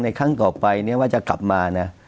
ครั้งต่อไปเนี่ยว่าจะกลับมานะ